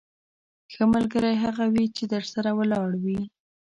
ښه ملګری هغه وي چې درسره ولاړ وي.